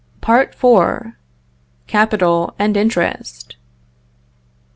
PART IV. CAPITAL AND INTEREST.